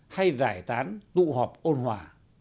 hay giải tán tụ họp ôn hòa